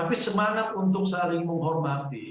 tapi semangat untuk saling menghormati